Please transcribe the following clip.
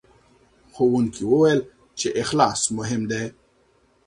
ښوونکي وویل چې اخلاص مهم دی.